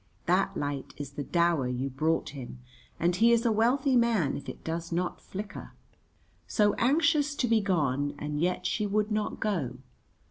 That light is the dower you brought him, and he is a wealthy man if it does not flicker. So anxious to be gone, and yet she would not go.